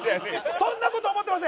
そんな事思ってません！